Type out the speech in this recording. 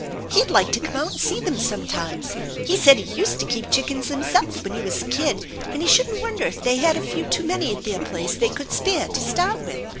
He'd like to come out and see them some times. He said he used to keep chickens himself when he was a kid, and he shouldn't wonder if they had a few too many at their place they could spare to start with.